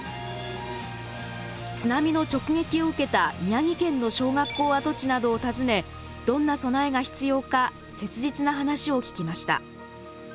津波の直撃を受けた宮城県の小学校跡地などを訪ねどんな備えが必要か切実な話を聞きました。